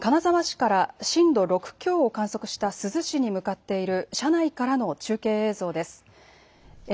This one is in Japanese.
金沢市から震度６強を観測した珠洲市に向かっている車内からの中継映像です。